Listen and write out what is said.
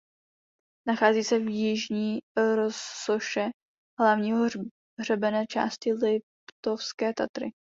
Nachází se v jižní rozsoše hlavního hřebene části Liptovské Tatry.